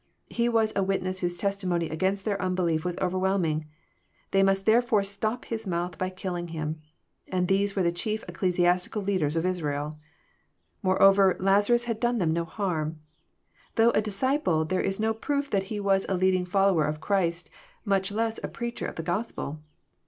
He was a witness whose testimony against their unbelief was overwhelming. They must therefore stop his mouth by killing him. And these were the chief ecclesiastical leaders of Israel !— Moreover Lazarus had done them no harm. Though a disciple, there is no proof that he was a leading follower of Christ, much less a preacher of the Gospel.